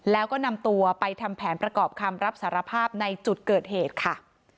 แล้วก็นำตัวไปทำแผนประกอบคำรับสารภาพในจุดเกิดเหตุค่ะ